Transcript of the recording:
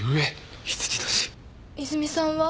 泉さんは？